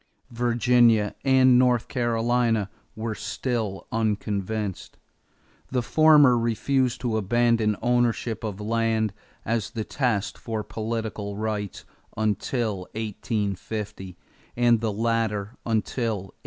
Virginia and North Carolina were still unconvinced. The former refused to abandon ownership of land as the test for political rights until 1850 and the latter until 1856.